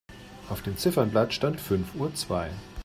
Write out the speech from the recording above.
Auf dem Ziffernblatt stand fünf Uhr zwei.